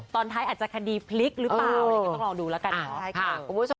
ตอนท้ายอาจจะคดีพลิกหรือเปล่าต้องลองดูละกัน